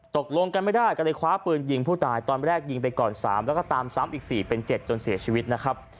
ตกลงกันไม่ได้ก็เลยคว้าปืนยิงผู้ตายตอนแรกยิงไปก่อน๓แล้วก็ตามซ้ำอีก๔เป็น๗จนเสียชีวิตนะครับ